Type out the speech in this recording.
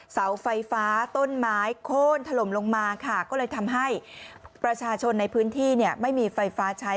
เสาไฟฟ้าต้นไม้โค้นถล่มลงมาค่ะก็เลยทำให้ประชาชนในพื้นที่เนี่ยไม่มีไฟฟ้าใช้